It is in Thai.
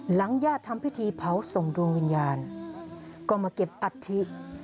ญาติทำพิธีเผาส่งดวงวิญญาณก็มาเก็บอัฐิ